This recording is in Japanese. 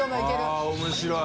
◆舛面白い。